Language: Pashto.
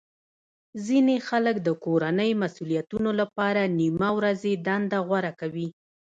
ځینې خلک د کورنۍ مسولیتونو لپاره نیمه ورځې دنده غوره کوي